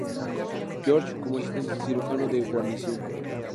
George como asistente cirujano de guarnición.